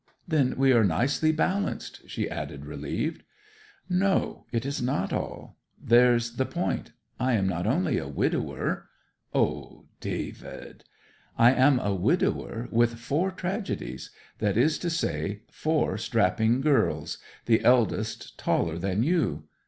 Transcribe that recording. then we are nicely balanced,' she added, relieved. 'No it is not all. There's the point. I am not only a widower.' 'O, David!' 'I am a widower with four tragedies that is to say, four strapping girls the eldest taller than you.